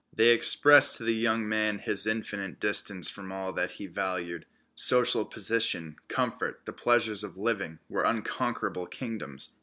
They expressed to the young man his infinite distance from all that he valued. Social position, comfort, the pleasures of living, were unconquerable kingdoms.